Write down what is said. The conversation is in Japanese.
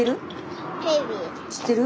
知ってる？